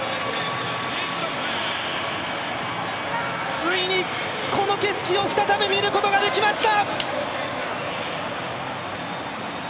ついに、この景色を再び見ることができました。